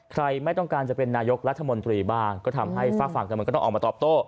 ไม่ต้องการจะเป็นนายกรัฐมนตรีบ้างก็ทำให้ฝากฝั่งการเมืองก็ต้องออกมาตอบโต้